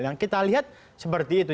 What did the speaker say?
yang kita lihat seperti itu